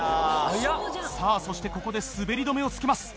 さぁそしてここで滑り止めを付けます。